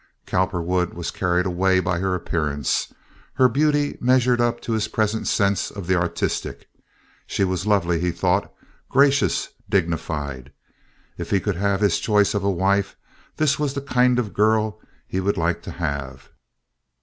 Cowperwood was carried away by her appearance. Her beauty measured up to his present sense of the artistic. She was lovely, he thought—gracious, dignified. If he could have his choice of a wife, this was the kind of a girl he would like to have.